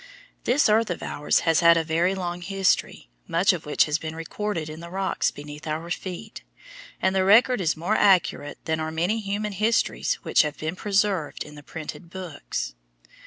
This earth of ours has had a very long history, much of which has been recorded in the rocks beneath our feet, and the record is more accurate than are many human histories which have been preserved in the printed books.